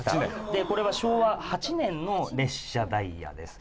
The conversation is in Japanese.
でこれは昭和８年の列車ダイヤです。